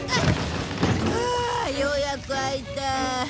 はあようやく開いた。